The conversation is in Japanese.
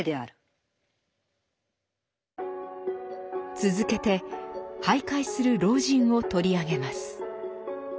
続けて徘徊する老人を取り上げます。